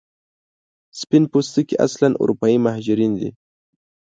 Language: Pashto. سپین پوستکي اصلا اروپایي مهاجرین دي.